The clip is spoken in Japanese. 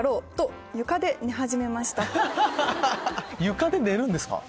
床で寝るんですか？